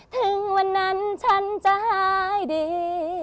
ถึงวันนั้นฉันจะหายดี